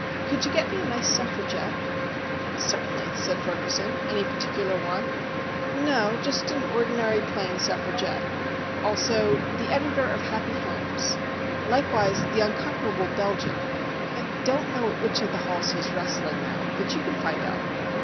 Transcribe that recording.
Could you get me a nice Suffragette?" "Certainly," said Ferguson. "Any particular one?" "No. Just an ordinary, plain Suffragette. Also the editor of Happy Homes. Likewise the Unconquerable Belgian. I don't know at which of the halls he's wrestling now, but you can find out."